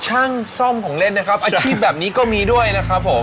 ช่างซ่อมของเล่นนะครับอาชีพแบบนี้ก็มีด้วยนะครับผม